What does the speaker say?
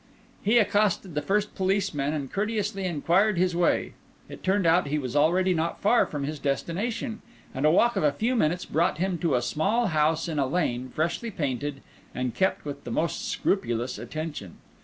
He accosted the first policeman and courteously inquired his way. It turned out that he was already not far from his destination, and a walk of a few minutes brought him to a small house in a lane, freshly painted, and kept with the most scrupulous attention.